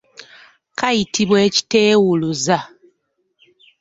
Kayitibwa ekiteewuluza.